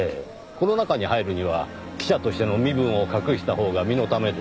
この中に入るには記者としての身分を隠したほうが身のためです。